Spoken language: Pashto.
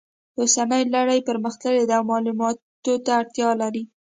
اوسنۍ نړۍ پرمختللې ده او معلوماتو ته اړتیا لري